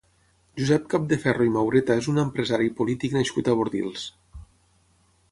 Josep Capdeferro i Maureta és un empresari i polític nascut a Bordils.